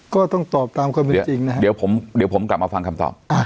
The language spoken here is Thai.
ก็ต้องตอบตามความเป็นจริงนะฮะเดี๋ยวผมกลับมาฟังคำตอบ